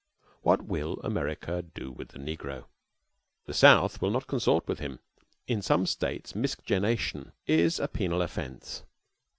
What will the American do with the negro? The South will not consort with him. In some States miscegenation is a penal offence.